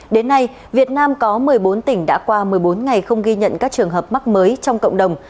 đến nay việt nam có một mươi bốn tỉnh đã qua một mươi bốn ngày không ghi nhận các trường hợp mắc mới trong cộng đồng